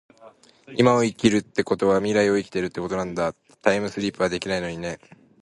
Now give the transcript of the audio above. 今を生きるってことは未来を生きているってことなんだ。タァイムリィプはできないのにね